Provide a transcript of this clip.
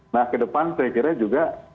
nah ke depan saya kira juga